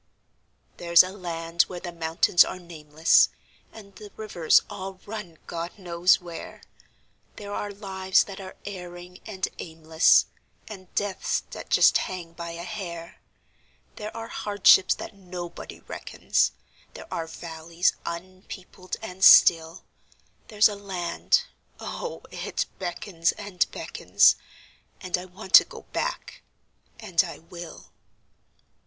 There's a land where the mountains are nameless, And the rivers all run God knows where; There are lives that are erring and aimless, And deaths that just hang by a hair; There are hardships that nobody reckons; There are valleys unpeopled and still; There's a land oh, it beckons and beckons, And I want to go back and I will.